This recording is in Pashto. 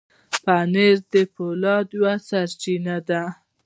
پنېر د فولاد یوه سرچینه ده.